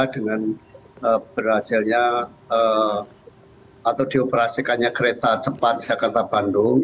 dengan berhasilnya atau dioperasikannya kereta cepat jakarta bandung